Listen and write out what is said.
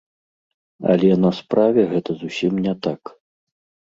Але на справе гэта зусім не так.